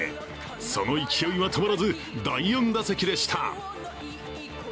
その勢いは止まらず第４打席でした。